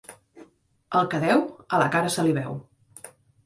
El que deu, a la cara se li veu.